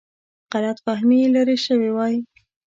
غلط فهمي لیرې شوې وای.